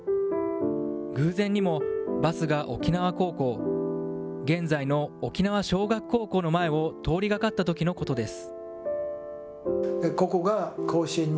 偶然にもバスが沖縄高校、現在の沖縄尚学高校の前を通りがかったときのことです。